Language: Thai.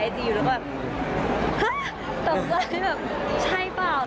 แบบตกใจแบบใช่เปล่า